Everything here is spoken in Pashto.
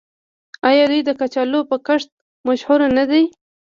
آیا دوی د کچالو په کښت مشهور نه دي؟